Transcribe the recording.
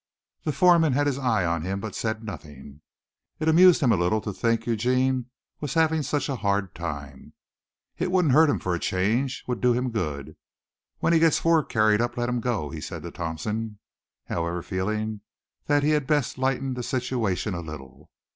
The foreman had his eye on him but said nothing. It amused him a little to think Eugene was having such a hard time. It wouldn't hurt him for a change, would do him good. "When he gets four carried up let him go," he said to Thompson, however, feeling that he had best lighten the situation a little.